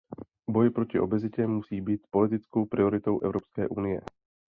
Boj proti obezitě musí být politickou prioritou Evropské unie.